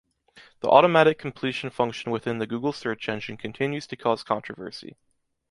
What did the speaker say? The automatic completion function within the Google search engine continues to cause controversy.